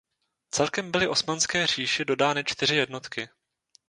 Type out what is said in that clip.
Celkem byly Osmanské říši dodány čtyři jednotky.